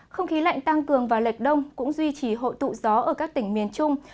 không khí lạnh tăng cường và lệch đông cũng duy trì hội tụ gió ở các tỉnh miền trung